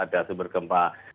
ada sumber gempa